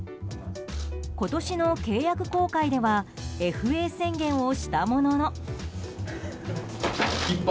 今年の契約更改ではＦＡ宣言をしたものの。